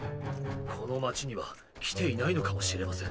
この町には来ていないのかもしれません。